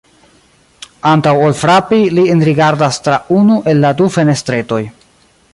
Antaŭ ol frapi, li enrigardas tra unu el la du fenestretoj.